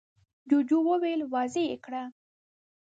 جوجو وويل: واضح يې کړه!